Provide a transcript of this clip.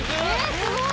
すごい。